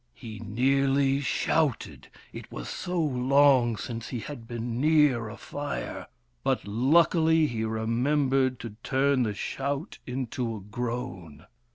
He nearly shouted, it was so long since he had been near a fire : but, luckily, he remem bered to turn the shout into a groan.